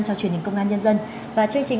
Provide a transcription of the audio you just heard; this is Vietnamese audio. cho truyền hình công an nhân dân và chương trình